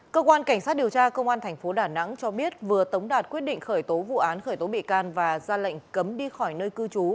cơ quan cảnh sát điều tra công an tp đà nẵng cho biết vừa tống đạt quyết định khởi tố vụ án khởi tố bị can và ra lệnh cấm đi khỏi nơi cư trú